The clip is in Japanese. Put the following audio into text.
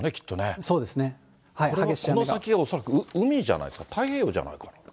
この先、恐らく海じゃないですか、太平洋じゃないかな。